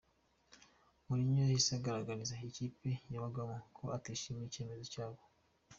Mourinho yahise agaragariza ikipe y'abaganga ko atishimiye icyemezo cyabo.